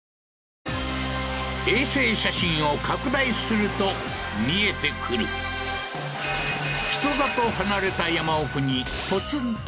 衛星写真を拡大すると見えてくる人里離れた